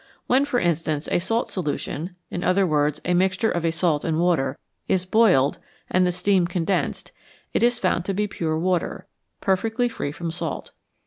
When, for instance, a salt solution in other words, a mixture of salt and water is boiled and the steam condensed, it is found to be pure water, perfectly free from salt.